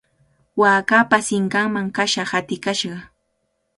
Waakapa sinqanman kasha hatikashqa.